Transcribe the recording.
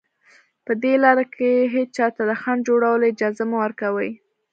په دې لاره کې هېچا ته د خنډ جوړولو اجازه مه ورکوئ